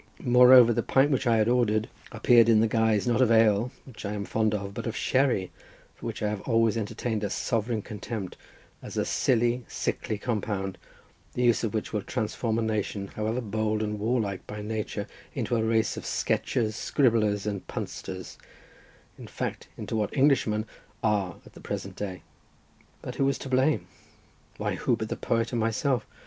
Moreover, the pint which I had ordered appeared in the guise not of ale, which I am fond of, but of sherry, for which I have always entertained a sovereign contempt, as a silly, sickly compound, the use of which will transform a nation, however bold and warlike by nature, into a race of sketchers, scribblers, and punsters, in fact into what Englishmen are at the present day. But who was to blame? Why, who but the poet and myself?